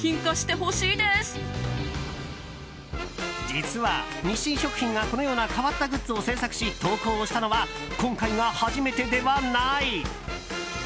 実は日清食品が、このような変わったグッズを制作し投稿をしたのは今回が初めてではない。